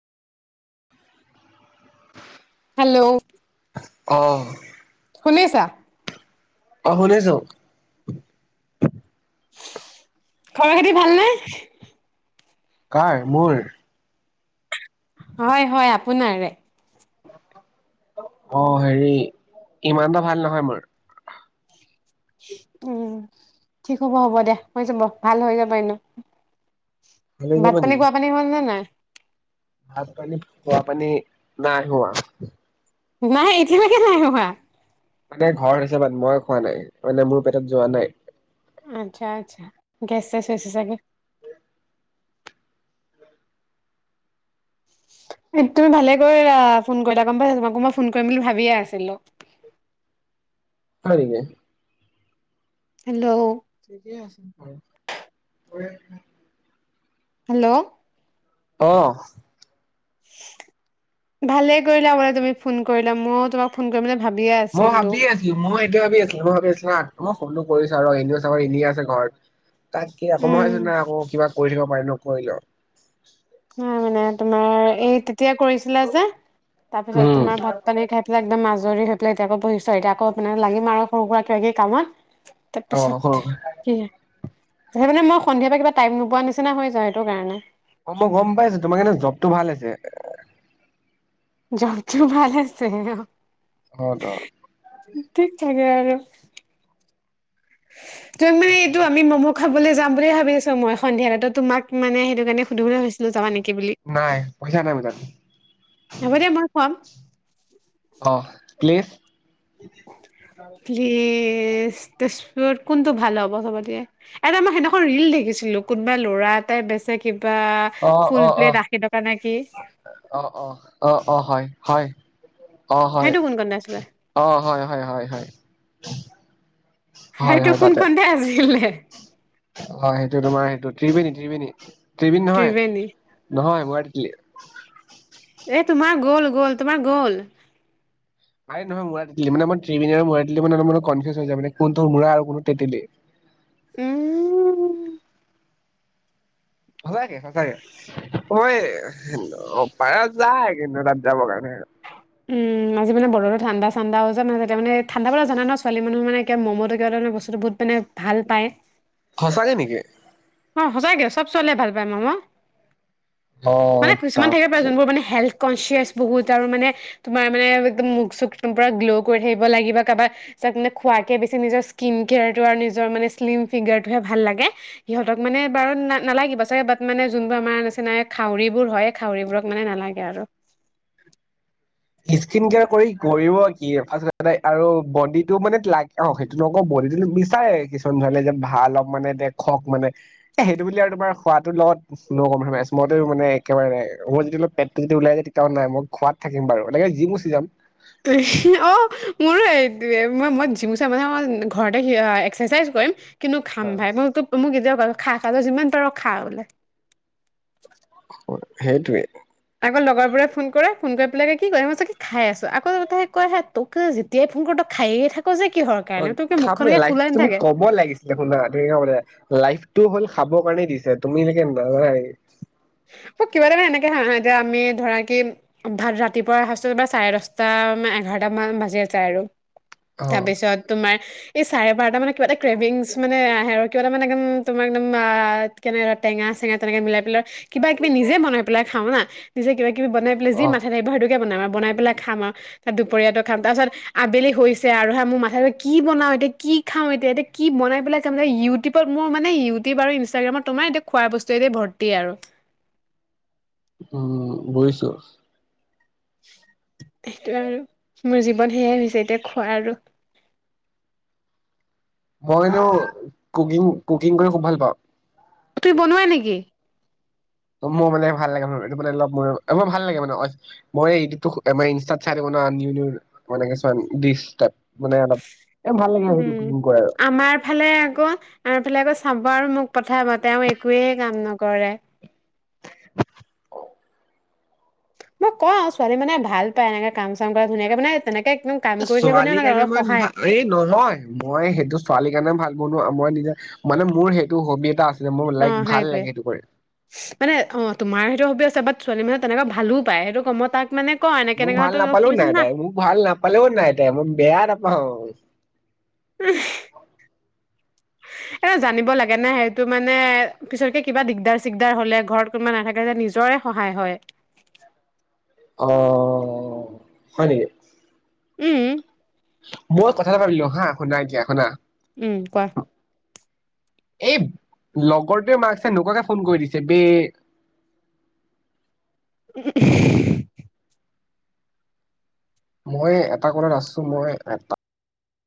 Hello. অ'। শুনিছা। অ', শুনিছো। খবৰ খাতি ভালনে? কাৰ মোৰ? হয়, হয় আপোনাৰে। অ', হেৰি ইমানটা ভাল নহয় মোৰ। উম, ঠিক হ'ব, হ'ব দে হৈ যাব ভাল হৈ যাব এনেও। ভালে ভাত-পানী, খোৱাপানী হ'ল নে নাই? ভাত-পানী, খোৱাপানী নাই হোৱা। নাই এতিয়ালৈকে নাই অহা। মানে ঘৰ হিচাপত মই খোৱা নাই, মানে মোৰ পেটত যোৱা নাই। আচ্ছা আচ্ছা গেছ চেছ হৈছে চাগে। তুমি ভালেকৈ ফোন কৰি গম পাইছা তোমাকো মই ফোন কৰিম বুলি ভাবিয়ে আছিলো। হয় নেকি? হেল্ল' ঠিকেই আছে বাৰু। হেল্লো ' অহ। ভালে কৰিলা তুমি ফোন কৰিলা ময়ো তোমাক ফোন কৰিম বুলিয়ে মই ভাবি আছিলো মই এতিয়া ভাবি আছিলো মই ভাবি আছিলো মই ফনটো কৰিছো আৰু এনেও চাব এনেই আছে ঘৰত। তাক আকৌ মই উম ভাবিছো না আকৌ কিবা কৰি থাকিব কৰি ল। মানে তোমাৰ এই তেতিয়া কৰিছিলে যে তাৰপিছত উম তোমাৰ ভাত পানী খাই পেলাই একদম মাজ [unintelligible] এতিয়া আকৌ মানে লাগিম আৰু। সৰু সুৰা কিবা কিবি কামত। অ তাৰপিছত কি? হেৰি মানে মই সন্ধিয়াৰ পৰা কিবা টাইম নোপোৱা নিচিনা হৈ যাওঁ সেইটো কাৰণে। অঁ মই গম পাইছো তোমাৰ এনে জবটো হৈছে। জবটো ভাল আছে। অঁ, অঁ। তাকে আৰু। [unintelligible] তুমি মানে তাকে এইটো আমি মম' খাবলৈ যাম বুলি ভাবিছো মই সন্ধিয়া ত' তোমাক মানে সেইটো কাৰণে সুধিব বুলি ভাবিো যাবা নি নাই পইচা নাই মোৰ তাত, হ'ব দিয়া মই খুৱাম অঁ। প্লেচ? প্লেচ ত কোনটো ভাল হ'ব সবতকে? এটা মই সেইদিনাখন ৰিল দেখিছিলো কোনোবা ল'ৰা এটাই বেচে কিব অঁ, অঁ, অঁ, কি অঁ, অঁ, অঁ, অঁ হয়। হয়। অঁ হয়, সেইটো কোন কণতে আছিলে? অঁ হয় হয় হয় হয়। সেইটো কোনখনতে আছিলে? অঁ সেইটো তোমাৰ সেইটো ত্ৰিবেণী ত্ৰিবেণী। ত্ৰিবেণী নহয়, ত্ৰিবেণী। নহয় [inaudible] এ, তোমাৰ গ'ল গ'ল তোমাৰ গ'ল। আৰে নহয়, মুৰা তেঁতেলী মানে মই ত্ৰিবেণী আৰু মুৰা তেঁতেলী মানে, কনফিউজ হৈ যাই মানে, কোনটো মুৰা আৰু কোনটো তেঁতেলী। উম! সঁচাকে, সঁচাকে। মই অ'! পাৰা যায়। [unintelligible] উম, আজি মান, বতৰটো ঠাণ্ডা চাণ্ডাও যে, তেতিয়া মানে, ঠাণ্ডা বতৰত জানা ন' ছোৱালী মানুহ মানে, কিবা ম'ম'টো কিবাটা মানে বস্তুটো বহুত মানে ভাল পায়। সঁচাকে নেকি? অ'! সঁচাকে। চব ছোৱালীয়ে ভাল পায় ম'ম'। অ মানে, কিছুমান থাকিব পাৰে। তাকে যোনবোৰ মানে, হেল্থ কনচিয়াচ বহুত আৰু মানে তোমাৰ মানে, একদম মুখ চুখ একদম পুৰা গ্ল' কৰি থাকিব লাগিব বা কাৰোবাৰ যাক মানে, খোৱাতকে বেছি নিজৰ স্কিন কেয়াৰটো আৰু নিজৰ মানে শ্লিম ফিগাৰটোহে ভাল লাগে। সিহঁতক মানে, বাৰু নালাগিব চাগে বাত মানে, যোনবোৰ আমাৰ নিচিনা খাউৰিবোৰ হয়, খাউৰিবোৰক মানে নালাগে আৰু। স্কিন কেয়াৰ কৰি কৰিব কি, ফাৰ্ষ্টতে আৰু বডি টো মানে লাগ অ'! সেইটো নকবৈ, তেতিয়াটো মিছ চাই কিছুমানে ছোৱালীয়ে যেন ভাল অলপ মানে দেখক, মানে এ, সেইটো বুলি আৰু তোমাৰ খোৱাটোৰ লগত নো কম্প্ৰমাইজ। মইতো মানে, একেবাৰে মই যদি অলপ পেটটো যদি ওলাই যায়, তেতিয়াও নাই, মই খোৱাত থাকিম বাৰু। লাগিলে জিম গুচি যাম। অ [unintelligible] মই জিম গুচা মানে, মই ঘৰতে এক্সাৰচাইজ কৰিম। কিন্তু খাম ভাই। মইটো মোক কেতিয়াওঁ বাধা খা, খা তই যিমান পাৰ খা বোলে। সেইটোৱে! আগৰ লগৰবোৰে ফোন কৰে, ফোন কৰি পেলাই কি কয় মই কৈছো কি খাই আছোঁ। আকৌ তাই কয় হে, তোক যেতিয়াই ফোন কৰোঁ তই খায়েই থা অ'! খামে, লাইফ তুমি নাথাকে ক'ব লাগিছিলে শুনা, ধুনীয়া মানে লাইফ টো হ'ল খাবৰ কাৰণে দিছে। তুমি চাগে নাজানাই। অ'! কিবা এটা মানে, এনেকে হা হা, এতিয়া আমি ধৰা কি ভাত ৰাতিপুৱা সাঁজো বা চাৰে দহটা, এঘাৰটা মান বাজি যায় আৰু। অ তাৰপিছত তোমাৰ এই চাৰে বাৰটা মানত কিবা এটা ক্ৰেভিংস মানে, আহে আৰু কিবা এটা মানে একদম তোমাক বা কেনেকা টেঙা- চেঙা তেনেকে মিলাই পেলে কিবা কিবি নিজে বনাই পেলাই খাওঁ না। নিজে কিবা কিবি বনাই পেলাই যি অ মাথাত আহিব সেইটো বনাম আৰু বনাই পেলাই খাম আৰু। তাৰ দুপৰীয়াটো খাম। তাৰ পাছত আবেলি হৈছে আৰু হা, মোৰ মাথাটো কি বনাওঁ এতিয়া, কি খাওঁ এতিয়া, এতিয়া কি বনাই পেলাই খাম। ইউটিউবত মোৰ মানে, ইউটিউব আৰু ইনষ্টাগ্ৰামত তোমাৰ এতিয়া খোৱা বস্তুৱেৰে ভৰ্তিয়ে আৰু। উম, বুজিছোঁ। সেইটোৱে আৰু মোৰ জীৱন সেয়াই হৈছে, এতিয়া খোৱা আৰু। মই এনেও কুকিং, কুকিং কৰি খুব ভাল পাওঁ! তুমি বনোৱা নেকি? মোৰ মানে ভাল লাগে। মানে, অলপ মোৰ মোৰ ভাল লাগে মানে। মই ইউটিউবতো, মই ইনষ্টাত চাই থাকোঁ ন'। নিউ নিউ মই এনেকে চোৱা ডিচ্ টাইপ মানে অলপ এ ভাল লাগে সেইটো উম, কুকিং কৰে আমাৰ ফালে আকৌ, আমাৰ ফালে আকৌ চাব বাৰু মোক পঠাবা, তেওঁ একোৱে কাম নকৰে। মই কওঁ ছোৱালীয়ে মানে ভাল পায় এনেকে কাম চাম কৰা ধুনীয়াকে মানে তেনেকে একদম কাম কৰি থাকিব ছোৱালীৰ নালাগে কাৰণে অলপ মই সহায় ভাত এই নহয়, মই সেইটো ছোৱালীৰ কাৰণে ভাত বনো মই নিজে, মানে মোৰ সেইটো হবি এটা আছে। অ' সেইটোৱে, মানে অ' তোমাৰ তোৰ হবি আছে বাট্ ছোৱালী মানুহে তেনেকুৱা ভালো পায়। সেইটো কম মই তাক মানে কওঁ এনেকে মোক এনেকে ভাল নাপালেওঁ শিকিবিচোন নাই না তাই, মোক ভাল নাপালেওঁ নাই তাই, মোক বেয়া নাপাওঁক। এইটো জানিব লাগে ন, সেইটো মানে পিছতকে কিবা দিগদাৰ-চিগদাৰ হ'লে, ঘৰত কোনোবা নাথাকে যে নিজৰে সহায় হয়। অঅঅ হয় নেকি? উম। মই কথা এটা ভাবিলো হা, শুনা এতিয়া শুনা উম' কোৱা। এই লগৰটোৱে মাকচাই নোকাহোৱাকে ফোন কৰি দিছে বে। [unintelligible] মই এটা ক নাচছো মই এটা